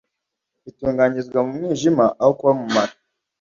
itunganyirizwa mu mwijima aho kuba mu mara